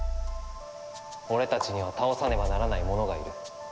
俺たちには倒さねばならない者がいる。